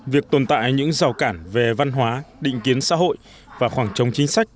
việc tồn tại những rào cản về văn hóa định kiến xã hội và khoảng trống chính sách